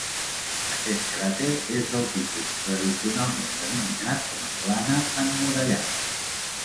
Aquest cràter és del tipus tradicionalment denominat com a plana emmurallada.